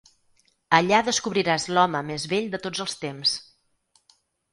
Allà descobriràs l'home més vell de tots els temps.